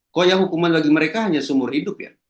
koya hukuman bagi mereka hanya seumur hidup ya